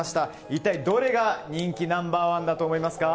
一体、どれが人気ナンバー１だと思いますか。